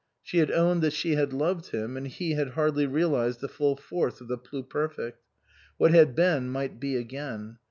She had owned that she had loved him, and he had hardly realized the full force of the pluper fect. What had been might be again.